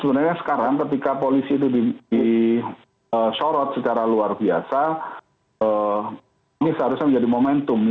sebenarnya sekarang ketika polisi itu disorot secara luar biasa ini seharusnya menjadi momentum